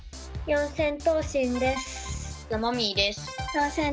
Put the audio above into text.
四千頭身です。